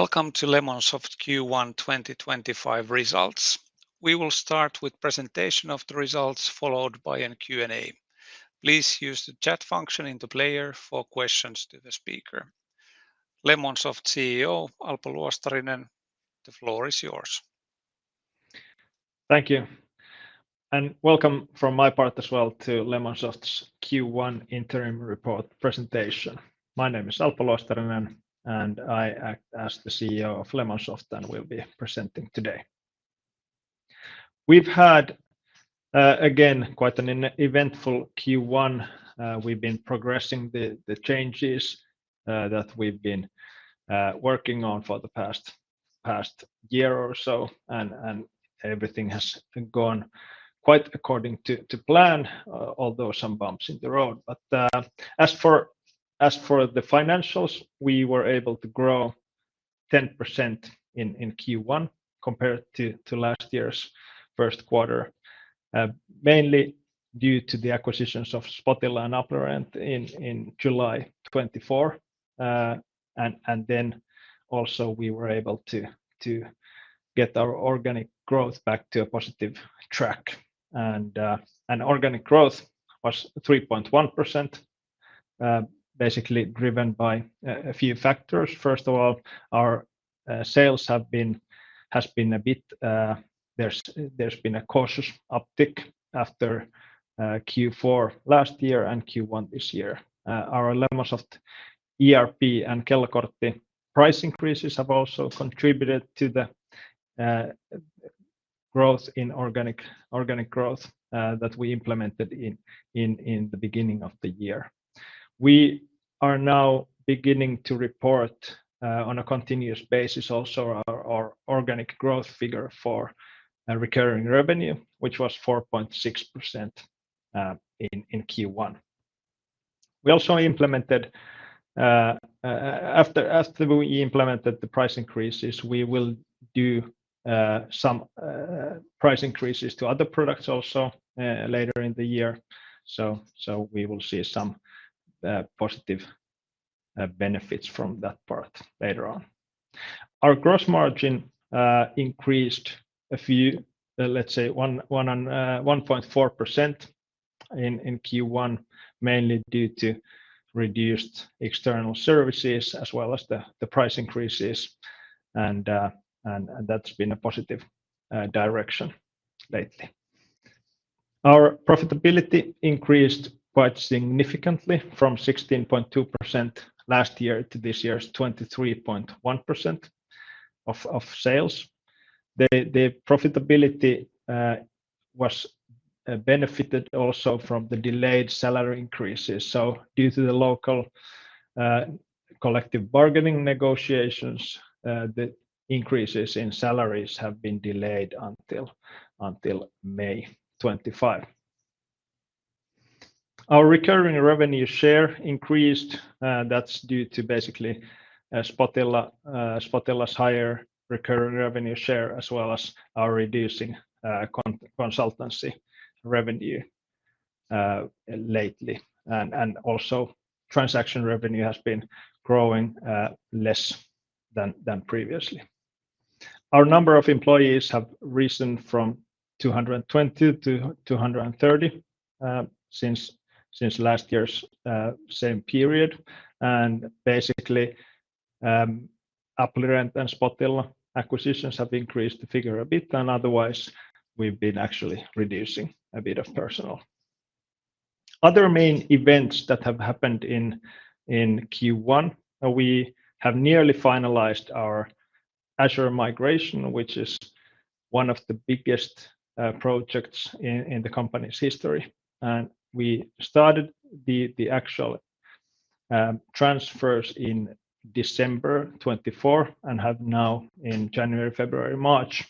Welcome to Lemonsoft Q1 2025 results. We will start with a presentation of the results, followed by a Q&A. Please use the chat function in the player for questions to the speaker. Lemonsoft CEO Alpo Luostarinen, the floor is yours. Thank you. And welcome from my part as well to Lemonsoft's Q1 interim report presentation. My name is Alpo Luostarinen, and I act as the CEO of Lemonsoft and will be presenting today. We've had, again, quite an eventful Q1. We've been progressing the changes that we've been working on for the past year or so, and everything has gone quite according to plan, although some bumps in the road. As for the financials, we were able to grow 10% in Q1 compared to last year's first quarter, mainly due to the acquisitions of Spotilla and Applirent in July 2024. We were also able to get our organic growth back to a positive track. Organic growth was 3.1%, basically driven by a few factors. First of all, our sales have been a bit, there's been a cautious uptick after Q4 last year and Q1 this year.. Our Lemonsoft ERP and Kellokortti price increases have also contributed to the growth in organic growth that we implemented in the beginning of the year. We are now beginning to report on a continuous basis also our organic growth figure for recurring revenue, which was 4.6% in Q1. We also implemented, after we implemented the price increases, we will do some price increases to other products also later in the year. We will see some positive benefits from that part later on. Our gross margin increased a few, let's say, 1.4% in Q1, mainly due to reduced external services as well as the price increases. That has been a positive direction lately. Our profitability increased quite significantly from 16.2% last year to this year's 23.1% of sales. The profitability was benefited also from the delayed salary increases. Due to the local collective bargaining negotiations, the increases in salaries have been delayed until May 2025. Our recurring revenue share increased. That's due to basically Spotilla's higher recurring revenue share as well as our reducing consultancy revenue lately. Also, transaction revenue has been growing less than previously. Our number of employees has risen from 220 to 230 since last year's same period. Basically, Applirent and Spotilla acquisitions have increased the figure a bit. Otherwise, we've been actually reducing a bit of personnel. Other main events that have happened in Q1, we have nearly finalized our Azure migration, which is one of the biggest projects in the company's history. We started the actual transfers in December 2024 and have now in January, February, March,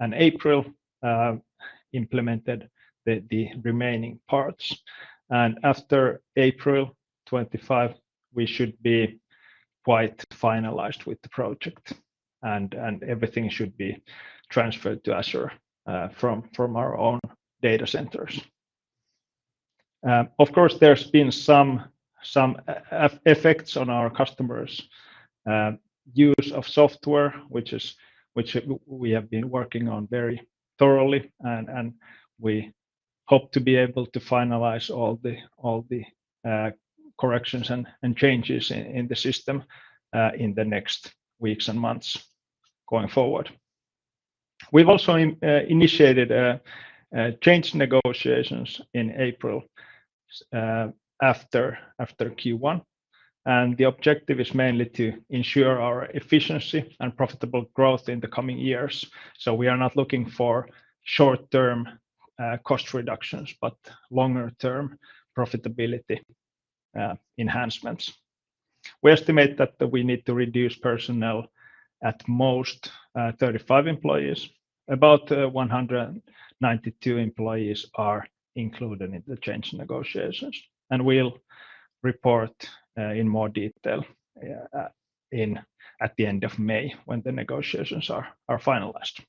and April implemented the remaining parts. After April 2025, we should be quite finalized with the project. Everything should be transferred to Azure from our own data centers. Of course, there have been some effects on our customers' use of software, which we have been working on very thoroughly. We hope to be able to finalize all the corrections and changes in the system in the next weeks and months going forward. We have also initiated change negotiations in April after Q1. The objective is mainly to ensure our efficiency and profitable growth in the coming years. We are not looking for short-term cost reductions, but longer-term profitability enhancements. We estimate that we need to reduce personnel at most 35 employees. About 192 employees are included in the change negotiations. We will report in more detail at the end of May when the negotiations are finalized.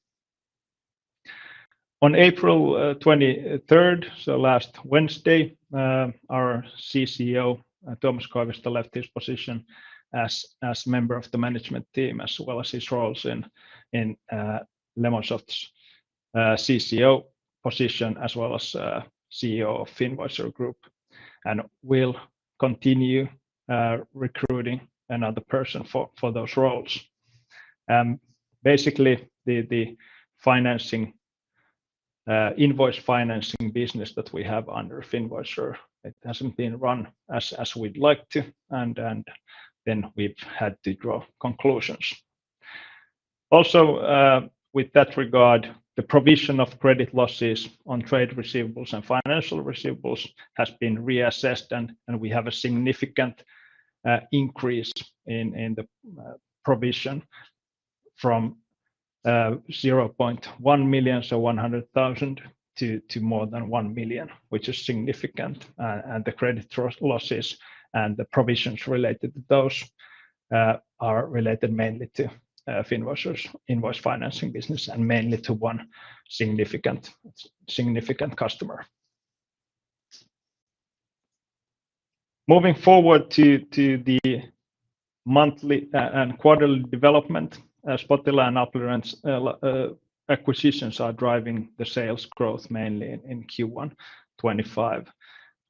On April 23rd, so last Wednesday, our CCO, Tuomas Koivisto left his position as member of the management team as well as his roles in Lemonsoft's CCO position as well as CEO of Finvoicer Group. We will continue recruiting another person for those roles. Basically, the invoice financing business that we have under Finvoicer, it hasn't been run as we'd like to. We have had to draw conclusions. Also, with that regard, the provision of credit losses on trade receivables and financial receivables has been reassessed. We have a significant increase in the provision from 100,000 to more than 1 million, which is significant. The credit losses and the provisions related to those are related mainly to Finvoicer's invoice financing business and mainly to one significant customer. Moving forward to the monthly and quarterly development, Spotilla and Applirent's acquisitions are driving the sales growth mainly in Q1 2025.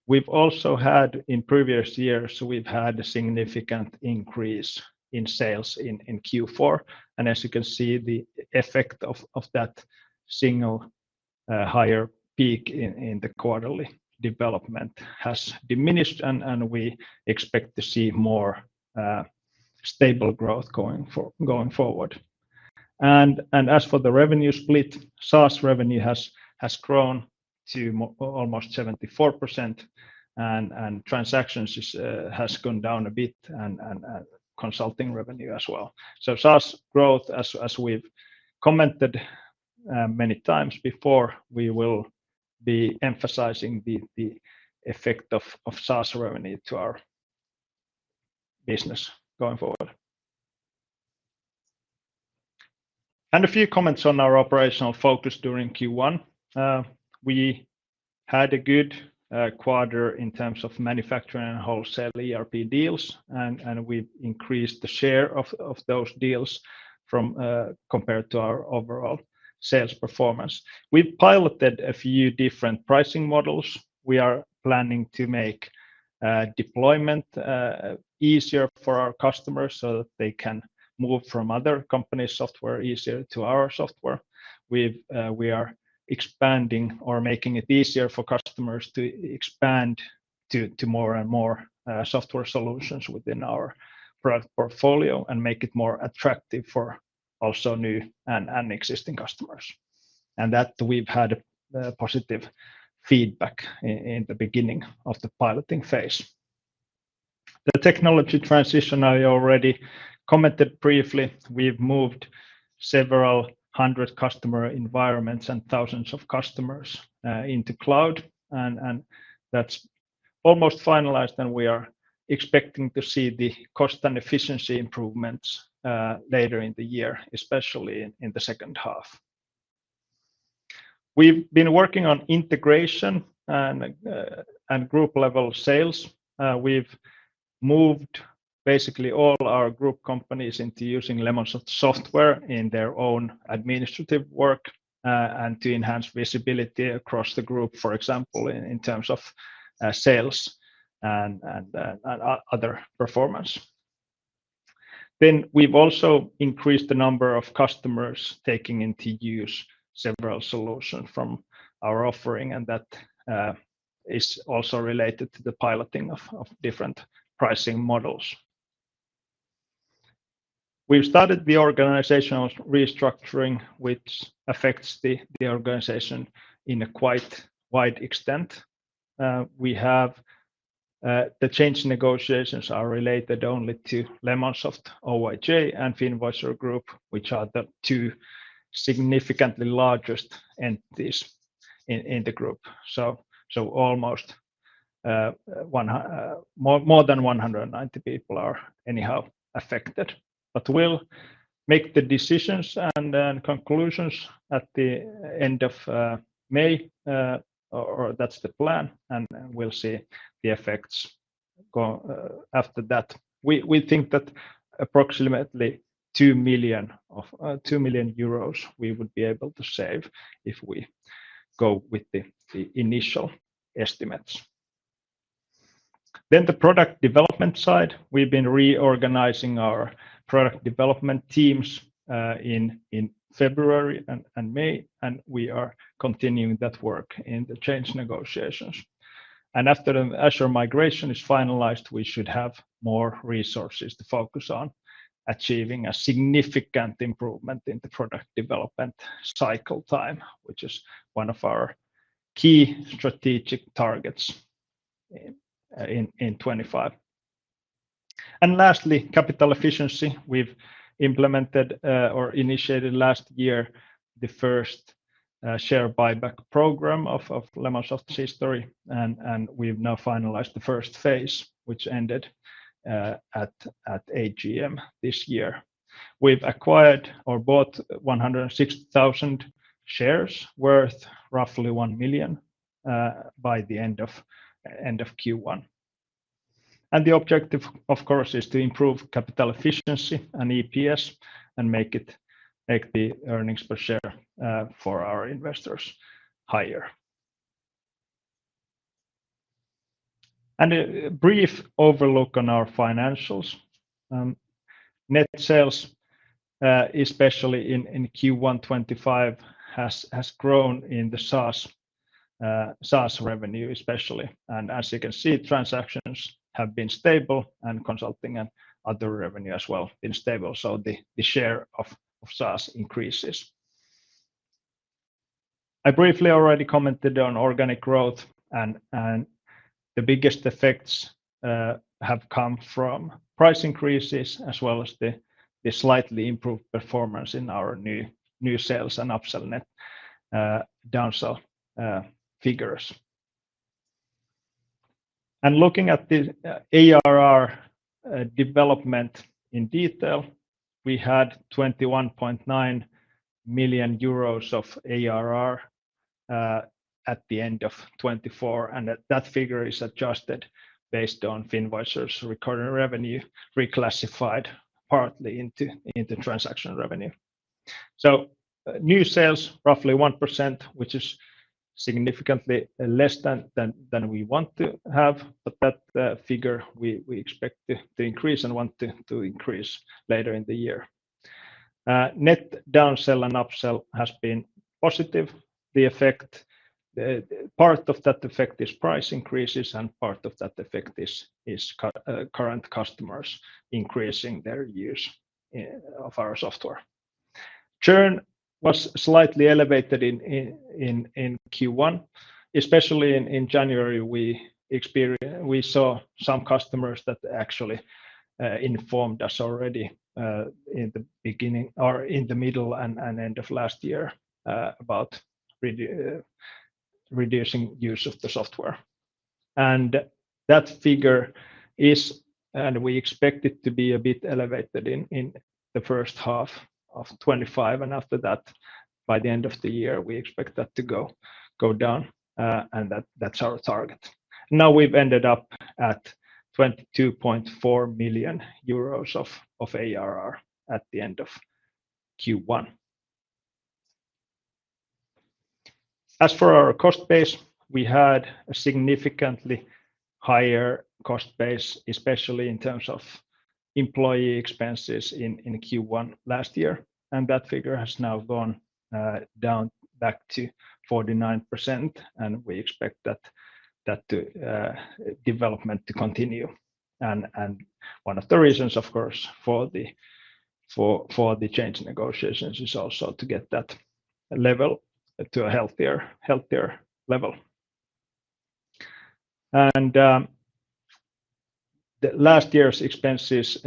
We've also had, in previous years, we've had a significant increase in sales in Q4. As you can see, the effect of that single higher peak in the quarterly development has diminished. We expect to see more stable growth going forward. As for the revenue split, SaaS revenue has grown to almost 74%. Transactions has gone down a bit and consulting revenue as well. SaaS growth, as we've commented many times before, we will be emphasizing the effect of SaaS revenue to our business going forward. A few comments on our operational focus during Q1. We had a good quarter in terms of manufacturing and wholesale ERP deals. We've increased the share of those deals compared to our overall sales performance. We've piloted a few different pricing models. We are planning to make deployment easier for our customers so that they can move from other companies' software easier to our software. We are expanding or making it easier for customers to expand to more and more software solutions within our product portfolio and make it more attractive for also new and existing customers. We've had positive feedback in the beginning of the piloting phase. The technology transition I already commented briefly. We've moved several hundred customer environments and thousands of customers into cloud. That's almost finalized. We are expecting to see the cost and efficiency improvements later in the year, especially in the second half. We've been working on integration and group-level sales. We've moved basically all our group companies into using Lemonsoft software in their own administrative work and to enhance visibility across the group, for example, in terms of sales and other performance. We have also increased the number of customers taking into use several solutions from our offering. That is also related to the piloting of different pricing models. We've started the organizational restructuring, which affects the organization in quite a wide extent. The change negotiations are related only to Lemonsoft Oyj and Finvoicer Group, which are the two significantly largest entities in the group. More than 190 people are anyhow affected. We will make the decisions and conclusions at the end of May, or that's the plan. We will see the effects after that. We think that approximately 2 million we would be able to save if we go with the initial estimates. The product development side. We've been reorganizing our product development teams in February and May. We are continuing that work in the change negotiations. After the Azure migration is finalized, we should have more resources to focus on achieving a significant improvement in the product development cycle time, which is one of our key strategic targets in 2025. Lastly, capital efficiency. We've implemented or initiated last year the first share buyback program of Lemonsoft's history. We've now finalized the first phase, which ended at 8:00 A.M. this year. We've acquired or bought 160,000 shares worth roughly 1 million by the end of Q1. The objective, of course, is to improve capital efficiency and EPS and make the earnings per share for our investors higher. A brief overlook on our financials. Net sales, especially in Q1 2025, has grown in the SaaS revenue, especially. As you can see, transactions have been stable and consulting and other revenue as well have been stable. The share of SaaS increases. I briefly already commented on organic growth. The biggest effects have come from price increases as well as the slightly improved performance in our new sales and upsell net downsell figures. Looking at the ARR development in detail, we had 21.9 million euros of ARR at the end of 2024. That figure is adjusted based on Finvoicer's recurring revenue reclassified partly into transaction revenue. New sales, roughly 1%, which is significantly less than we want to have. That figure we expect to increase and want to increase later in the year. Net downsell and upsell has been positive. The effect, part of that effect is price increases and part of that effect is current customers increasing their use of our software. Churn was slightly elevated in Q1. Especially in January, we saw some customers that actually informed us already in the beginning or in the middle and end of last year about reducing use of the software. That figure is, and we expect it to be, a bit elevated in the first half of 2025. After that, by the end of the year, we expect that to go down. That is our target. Now we have ended up at 22.4 million euros of ARR at the end of Q1. As for our cost base, we had a significantly higher cost base, especially in terms of employee expenses in Q1 last year. That figure has now gone down back to 49%. We expect that development to continue. One of the reasons, of course, for the change negotiations is also to get that level to a healthier level. Last year's expenses,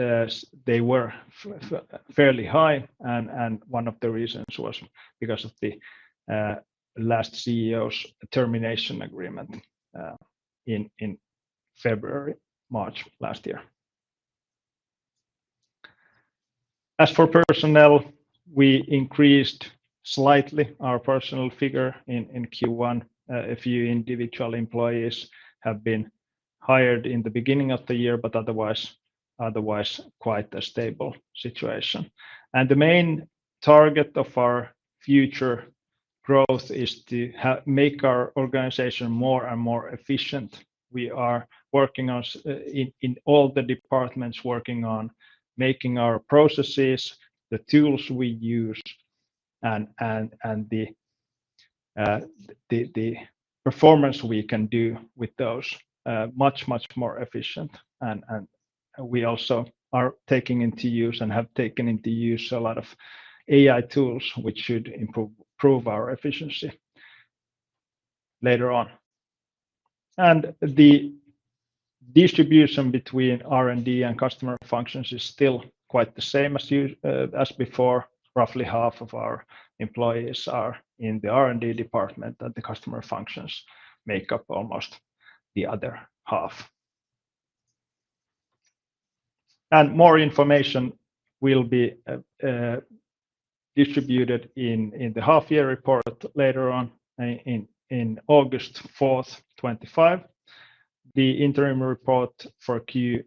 they were fairly high. One of the reasons was because of the last CEO's termination agreement in February, March last year. As for personnel, we increased slightly our personnel figure in Q1. A few individual employees have been hired in the beginning of the year, but otherwise quite a stable situation. The main target of our future growth is to make our organization more and more efficient. We are working on, in all the departments, making our processes, the tools we use, and the performance we can do with those much, much more efficient. We also are taking into use and have taken into use a lot of AI tools, which should improve our efficiency later on. The distribution between R&D and customer functions is still quite the same as before. Roughly half of our employees are in the R&D department, and the customer functions make up almost the other half. More information will be distributed in the half-year report later on in August 4, 2025. The interim report for Q3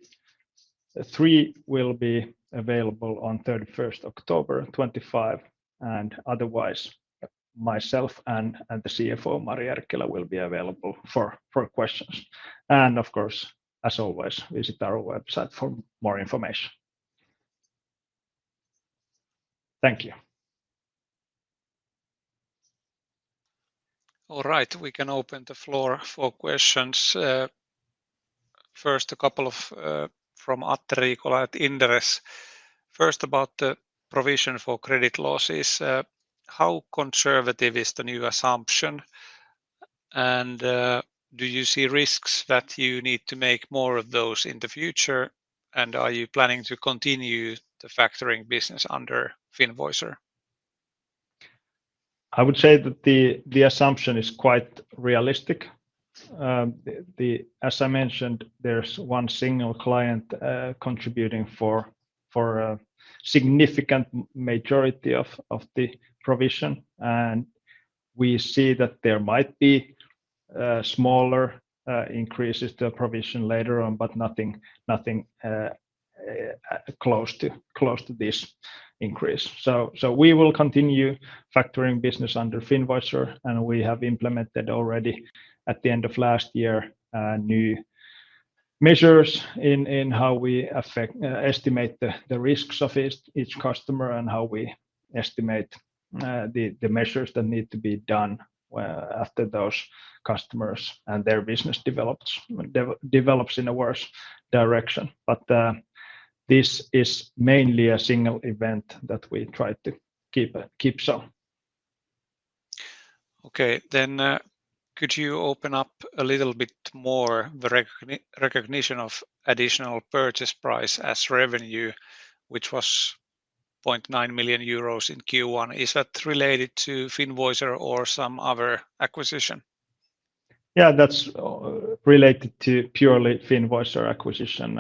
will be available on 31 October 2025. Otherwise, myself and the CFO, Mari Erkkilä, will be available for questions. Of course, as always, visit our website for more information. Thank you. All right, we can open the floor for questions. First, a couple from Atte Riikola at Inderes. First, about the provision for credit losses. How conservative is the new assumption? Do you see risks that you need to make more of those in the future? Are you planning to continue the factoring business under Finvoicer? I would say that the assumption is quite realistic. As I mentioned, there's one single client contributing for a significant majority of the provision. We see that there might be smaller increases to the provision later on, but nothing close to this increase. We will continue factoring business under Finvoicer. We have implemented already at the end of last year new measures in how we estimate the risks of each customer and how we estimate the measures that need to be done after those customers and their business develops in a worse direction. This is mainly a single event that we tried to keep so. Okay, could you open up a little bit more the recognition of additional purchase price as revenue, which was 0.9 million euros in Q1? Is that related to Finvoicer or some other acquisition? Yeah, that's related to purely Finvoicer acquisition.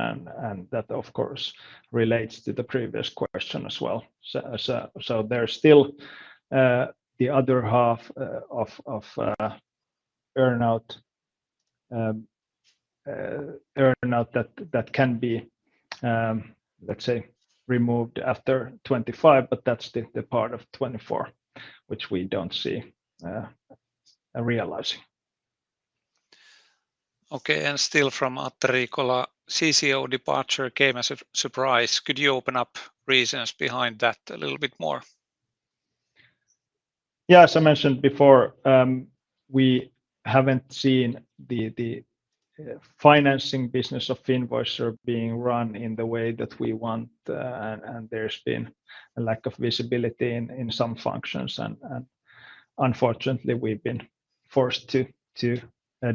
That, of course, relates to the previous question as well. There is still the other half of earnout that can be, let's say, removed after 2025, but that is the part of 2024, which we do not see realizing. Okay, and still from Atte Riikola, CCO departure came as a surprise. Could you open up reasons behind that a little bit more? Yeah, as I mentioned before, we have not seen the financing business of Finvoicer being run in the way that we want. There has been a lack of visibility in some functions. Unfortunately, we have been forced to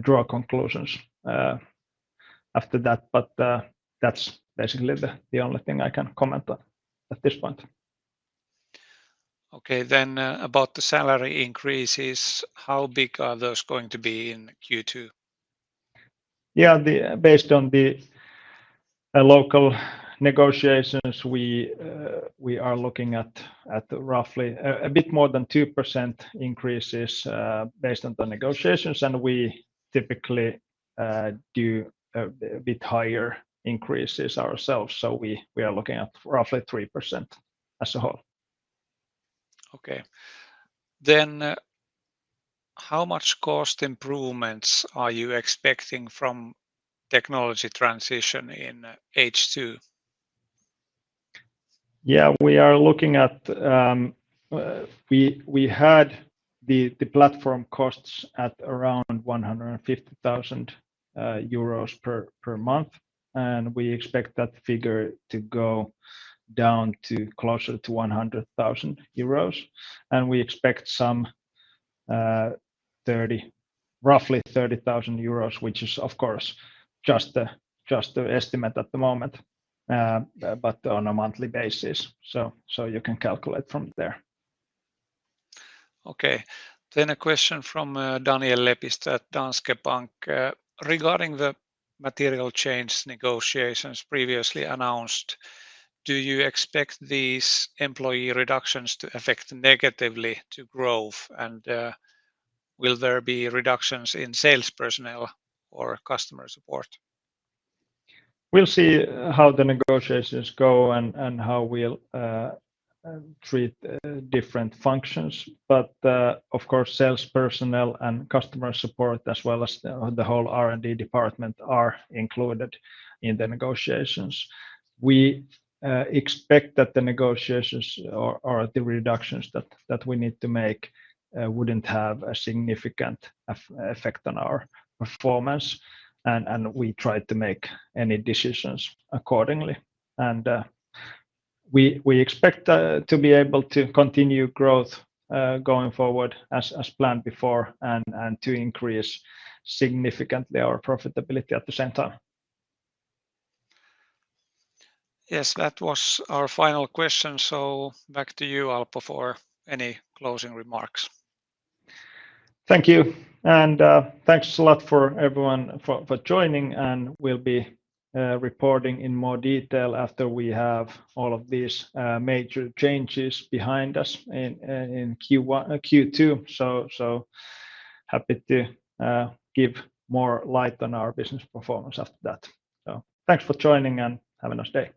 draw conclusions after that. That is basically the only thing I can comment on at this point. Okay, about the salary increases, how big are those going to be in Q2? Yeah, based on the local negotiations, we are looking at roughly a bit more than 2% increases based on the negotiations. We typically do a bit higher increases ourselves. We are looking at roughly 3% as a whole. Okay, how much cost improvements are you expecting from technology transition in H2? We are looking at, we had the platform costs at around 150,000 euros per month. We expect that figure to go down to closer to 100,000 euros. We expect some, roughly 30,000 euros which is, of course, just the estimate at the moment, but on a monthly basis. You can calculate from there. Okay, a question from Daniel Lepistö at Danske Bank regarding the material change negotiations previously announced. Do you expect these employee reductions to affect negatively to growth? Will there be reductions in sales personnel or customer support? We will see how the negotiations go and how we will treat different functions. Of course, sales personnel and customer support, as well as the whole R&D department, are included in the negotiations. We expect that the negotiations or the reductions that we need to make would not have a significant effect on our performance. We try to make any decisions accordingly. We expect to be able to continue growth going forward as planned before and to increase significantly our profitability at the same time. Yes, that was our final question. Back to you, Alpo, for any closing remarks. Thank you. Thanks a lot for everyone for joining. We will be reporting in more detail after we have all of these major changes behind us in Q2. Happy to give more light on our business performance after that. Thanks for joining and have a nice day.